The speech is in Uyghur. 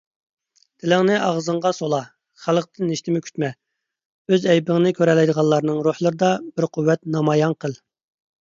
تىلىڭنى ئاغزىڭغا سولا، خەلقتىن ھېچنېمە كۈتمە، ئۆز ئەيىبىڭنى كۆرەلەيدىغانلارنىڭ روھلىرىدا بىر قۇۋۋەت نامايان قىل.